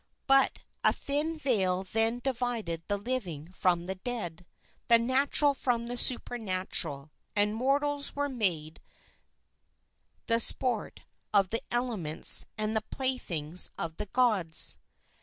But a thin veil then divided the living from the dead, the natural from the supernatural, and mortals were made the sport of the elements and the playthings of the gods.